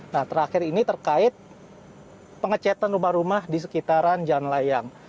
nah terakhir ini terkait pengecetan rumah rumah di sekitaran jalan layang